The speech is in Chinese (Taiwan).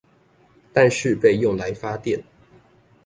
但是被用來發電